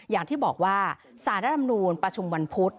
อย่างที่บอกว่าสารรัฐธรรมนูลประชุมวันพุธ